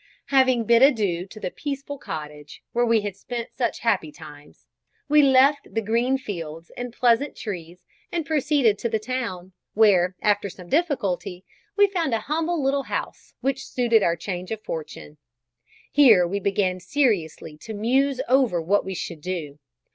Having bid adieu to the peaceful cottage, where we had spent such happy times, we left the green fields and pleasant trees and proceeded to the town, where, after some difficulty, we found a humble little house which suited our change of fortune. Here we began seriously to muse over what we should do.